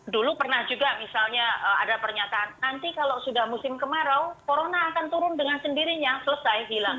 dulu pernah juga misalnya ada pernyataan nanti kalau sudah musim kemarau corona akan turun dengan sendirinya selesai hilang